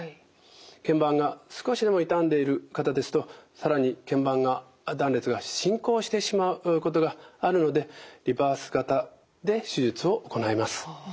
けん板が少しでも傷んでいる方ですと更にけん板断裂が進行してしまうことがあるのでリバース型で手術を行います。